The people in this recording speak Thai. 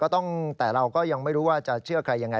แต่เราก็ยังไม่รู้ว่าจะเชื่อใครยังไง